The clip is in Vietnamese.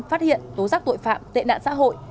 phát hiện tố giác tội phạm tệ nạn xã hội